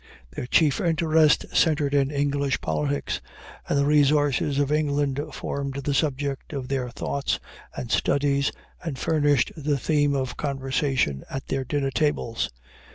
Their chief interest centered in English politics, and the resources of England formed the subject of their thoughts and studies, and furnished the theme of conversation at their dinner tables.